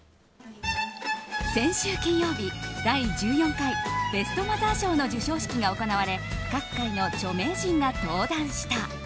先週金曜日第１４回ベストマザー賞の授賞式が行われ各界の著名人が登壇した。